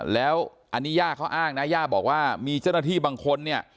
แล้วอันนี้ย่าเขาอ้างนะย่าบอกว่ามีเจ้าหน้าที่บางคนเนี่ย